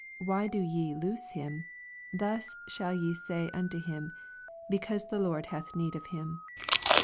Why do ye loose him f thus shall ye say nnto him, BecauBe the Lord hatn need of him.